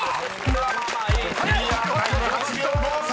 ［クリアタイム８秒５３］